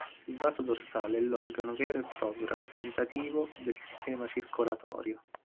Il vaso dorsale è l'organo vero e proprio rappresentativo del sistema circolatorio.